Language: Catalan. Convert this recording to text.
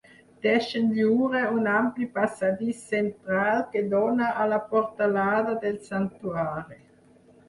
Deixen lliure un ampli passadís central que dóna a la portalada del santuari.